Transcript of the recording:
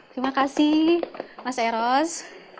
terima kasih mas eros